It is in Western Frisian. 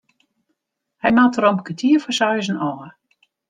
Hy moat der om kertier foar seizen ôf.